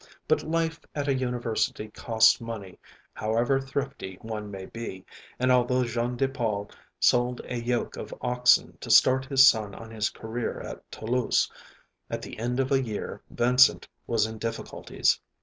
But life at a university costs money, however thrifty one may be, and although Jean de Paul sold a yoke of oxen to start his son on his career at Toulouse, at the end of a year Vincent was in difficulties.